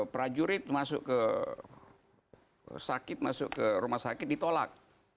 prajurit masuk ke sakit masuk ke rumah sakit ditolak